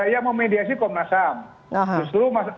ya memediasi komnas ham